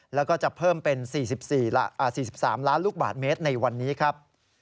แล้วก็จะเพิ่มเป็น๔๓ล้านลูกบาทเมตรในวันนี้ครับ